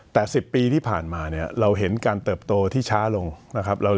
แต่๑๐ปีที่ผ่านมาเนี่ยเราเห็นการเติบโตที่ช้าลงนะครับ